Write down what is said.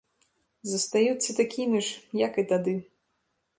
Застаюцца такімі ж, як і тады.